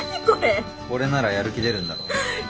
これならやる気出るんだろ？